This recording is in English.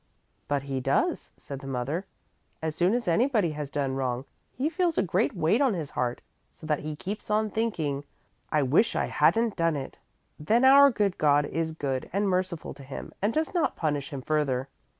"But He does," said the mother. As soon as anybody has done wrong, he feels a great weight on his heart so that he keeps on thinking, 'I wish I hadn't done it!' Then our good God is good and merciful to him and does not punish him further.